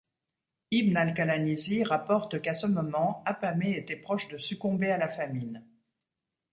Ibn al-Qalanisi rapporte qu'à ce moment, Apamée était proche de succomber à la famine.